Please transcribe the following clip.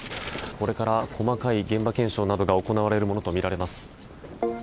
これから細かい現場検証などが行われるものとみられます。